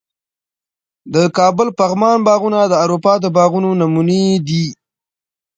د کابل پغمان باغونه د اروپا د باغونو نمونې دي